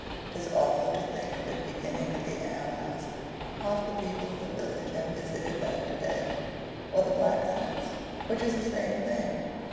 "'Tis awful to think of it beginning at the ale house; half the people of the village have visited that to day, or the blacksmith's, which is the same thing.